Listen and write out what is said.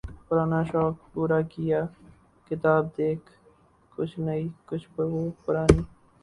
پرانا شوق پورا کیا ، کتاب دیکھ ، کچھ نئی ، کچھ و پرانی